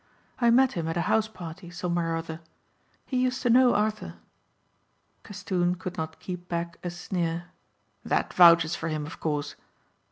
I met him at a houseparty somewhere or other. He used to know Arthur." Castoon could not keep back a sneer. "That vouches for him of course."